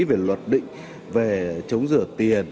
về luật định về chống rửa tiền